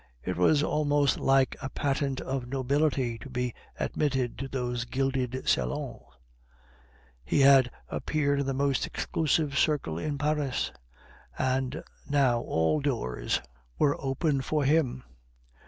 It was almost like a patent of nobility to be admitted to those gilded salons; he had appeared in the most exclusive circle in Paris, and now all doors were open for him.